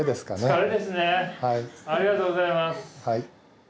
ありがとうございます。